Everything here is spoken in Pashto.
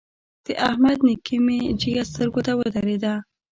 د احمد نېکي مې جګه سترګو ته ودرېده.